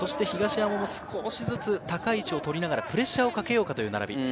東山も少しずつ高い位置を取りながら、プレッシャーをかけようかという並び。